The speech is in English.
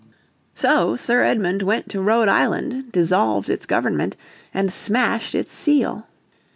So Sir Edmund went to Rhode Island, dissolved its government and smashed its seal.